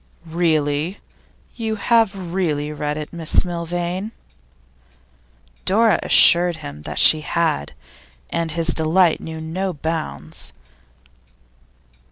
'Really? You have really read it, Miss Milvain?' Dora assured him that she had, and his delight knew no bounds.